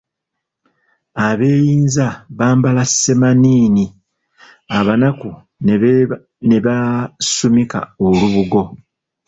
Abeeyinza bambala semaanini, Abanaku ne basumika olubugo.